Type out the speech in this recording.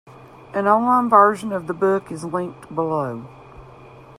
An online version of the book is linked below.